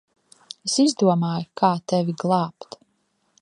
Es izdomāju, kā tevi glābt.